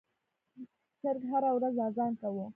چرګ هره ورځ اذان کاوه.